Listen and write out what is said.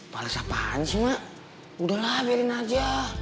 bales apaan sih mak udahlah biarin aja